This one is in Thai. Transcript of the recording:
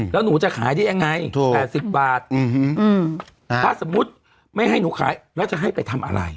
แล้วหนูจะขายได้ยังไง๘๐บาทถ้าสมมุติไม่ให้หนูขายแล้วจะให้ไปทำอะไร